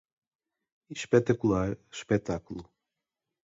Espetacular espetáculo